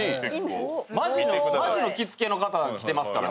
マジの着付けの方が来ていますから。